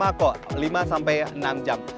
lama kok lima sampai enam jam